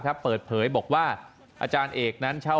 ขอบคุณครับ